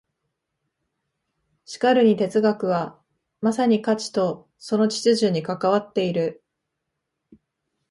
しかるに哲学はまさに価値とその秩序に関わっている。